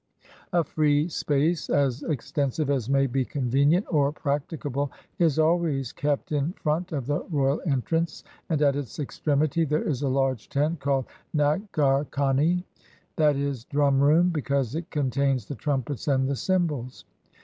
A free space, as extensive as may be convenient or practicable, is always kept in front of the royal entrance, and at its extremity there is a large tent called nagar hatie, i.e., drum room, because it contains the trumpets and the cymbals.